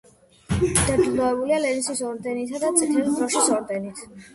დაჯილდოებულია ლენინის ორდენითა და წითელი დროშის ორდენით.